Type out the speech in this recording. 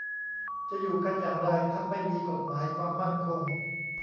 จะอยู่กันอย่างไร ถ้าไม่มีกฎหมายความมั่นคง